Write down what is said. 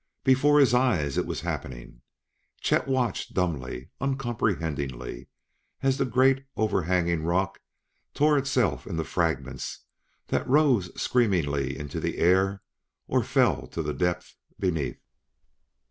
Before his eyes it was happening! Chet watched dumbly, uncomprehendingly, as that great overhanging rock tore itself into fragments that rose screamingly into the air or fell to the depths beneath.